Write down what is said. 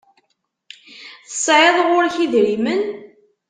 Tesεiḍ ɣur-k idrimen?